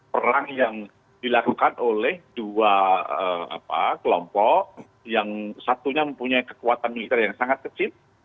perang yang dilakukan oleh dua kelompok yang satunya mempunyai kekuatan militer yang sangat kecil